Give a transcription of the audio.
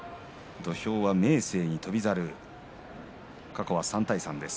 土俵は明生に翔猿過去は３対３です。